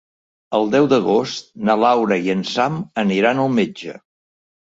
El deu d'agost na Laura i en Sam aniran al metge.